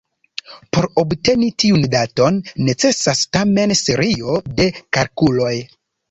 Por obteni tiun daton necesas tamen serio de kalkuloj.